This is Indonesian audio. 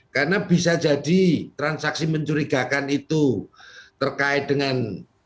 karena bisa jadi transaksi mencurigakan itu terkait dengan